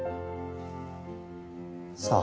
さあ。